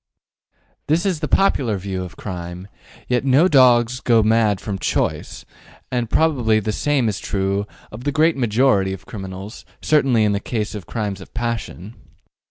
This is the popular view of crime; yet no dog goes mad from choice, and probably the same is true of the great majority of criminals, certainly in the case of crimes of passion.